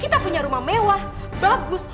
kita punya rumah mewah bagus